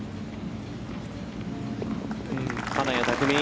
金谷拓実。